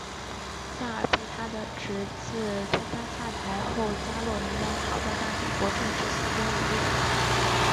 夏尔被他的侄子推翻下台后加洛林王朝的大帝国正式四分五裂了。